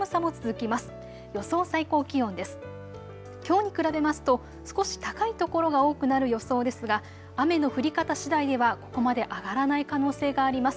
きょうに比べますと少し高い所が多くなる予想ですが雨の降り方しだいではここまで上がらない可能性があります。